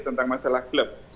tentang masalah klub